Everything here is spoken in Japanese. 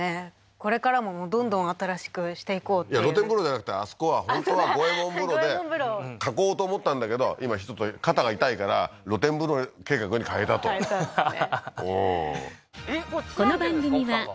これからもどんどん新しくしていこうっていういや露天風呂じゃなくてあそこは本当は五右衛門風呂で囲おうと思ったんだけど今ちょっと肩が痛いから露天風呂計画に変えたと変えたんですね・